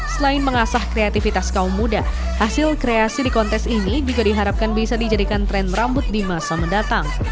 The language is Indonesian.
selain mengasah kreativitas kaum muda hasil kreasi di kontes ini juga diharapkan bisa dijadikan tren rambut di masa mendatang